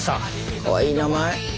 かわいい名前。